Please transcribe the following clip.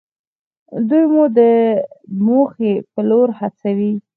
دوی مو د موخې په لور هڅوي.